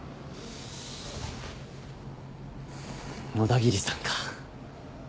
小田切さんか。